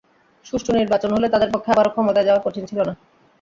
সুষ্ঠু নির্বাচন হলে তাদের পক্ষে আবারও ক্ষমতায় যাওয়া কঠিন ছিল না।